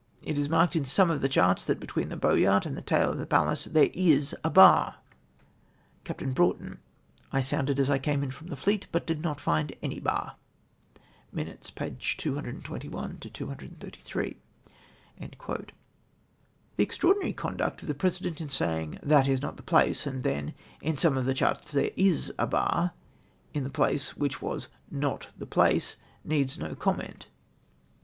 It is marked in some of the charts that between the Boyart and the tail of the Pallas there is a bar I " Capt. Broughton. —" I sounded as I came in from the fleet but did not find any bar." {Minutes, pp. 221 — 233.) The extraordinary conduct of the President in saying " That is not the place,'" and then that " in some of the charts there is a bar," in the place which was " not the place," needs no comment.